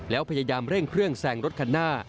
แล้วพยายามเร่งเครื่องแซงรถคันหน้า